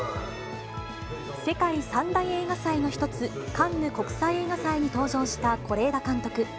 世界３大映画祭の１つ、カンヌ国際映画祭に登場した是枝監督。